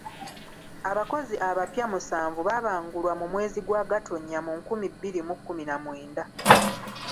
Abakozi abapya musanvu baabangulwa mu mwezi gwa Gatonnya, mu nkumi bbiri mu kkumi na mwenda.